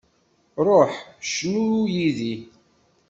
Ruḥ, cnu yid-i.